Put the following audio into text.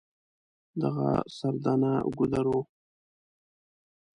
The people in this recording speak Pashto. دغه سردنه ګودر و.